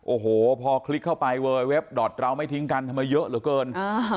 โอ้โหพอคลิกเข้าไปเวยเว็บดอตเราไม่ทิ้งกันทำไมเยอะเหลือเกิน